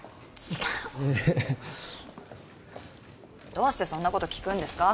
違うどうしてそんなこと聞くんですか？